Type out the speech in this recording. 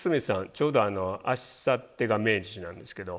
ちょうどあさってが命日なんですけど。